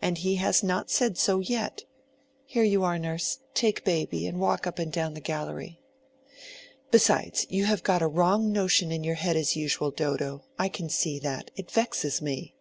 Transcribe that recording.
And he has not said so yet (here you are, nurse; take baby and walk up and down the gallery). Besides, you have got a wrong notion in your head as usual, Dodo—I can see that: it vexes me."